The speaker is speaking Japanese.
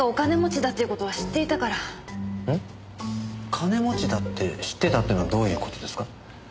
金持ちだって知ってたってのはどういう事ですか？